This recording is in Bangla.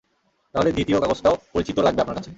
তাহলে, দ্বিতীয় কাগজটাও পরিচিত লাগবে আপনার কাছে।